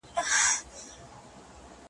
ورته پېښه ناروغي سوله د سترګو `